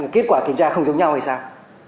kết quả kiểm tra không giống nhau hay sao